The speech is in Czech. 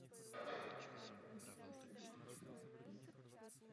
Všechny tyto instituce sídlí v Brně.